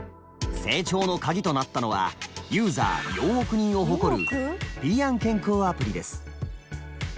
成長のカギとなったのはユーザー４億人を誇る平安健康アプリです。